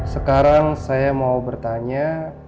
sekarang saya mau bertanya